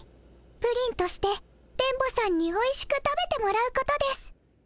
プリンとして電ボさんにおいしく食べてもらうことです。